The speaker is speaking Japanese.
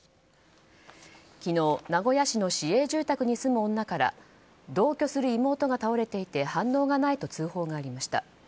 昨日、名古屋市の市営住宅に住む女から同居する妹が倒れていて反応がないと通報がありました。